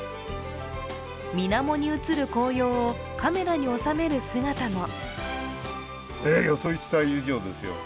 みなもに映る紅葉をカメラに収める姿も。